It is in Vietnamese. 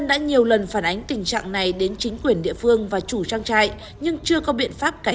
thế là cái nhất cái hai là thỉnh thoảng máy móc trục trặc sáng nay là vẫn hôi